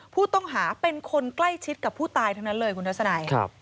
ผู้ต้องหาเป็นคนใกล้ชิดกับผู้ตายทั้งนั้นเลยคุณทัศนัย